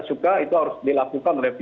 suka itu harus dilakukan oleh